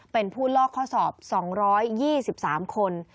เป็นผู้ลอกข้อสอบ๒๒๓คน